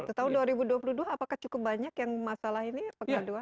untuk tahun dua ribu dua puluh dua apakah cukup banyak yang masalah ini pengaduan